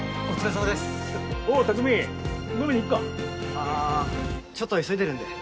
あちょっと急いでるんで。